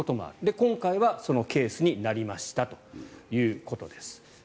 今回はそのケースになりましたということです。